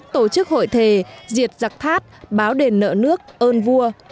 tổ chức hội thề diệt giặc thát báo đền nợ nước ơn vua